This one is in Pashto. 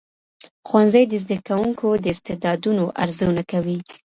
ښوونځي د زدهکوونکو د استعدادونو ارزونه کوي.